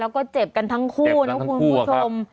แล้วก็เจ็บกันทั้งคู่นะคุณผู้ชม฾จั๊กครับ